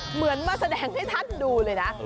เหมือนมาแสดงให้ท่านดูเลยนะ